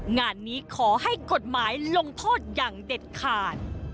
งานนี้ขอให้กฎหมายลงโทษอย่างเด็ดขาด